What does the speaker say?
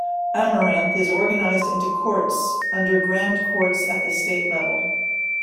Amaranth is organized into Courts, under Grand Courts at the State level.